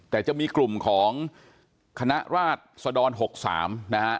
แต่จะมีกลุ่มของคณะราชสะดอน๖๓นะฮะ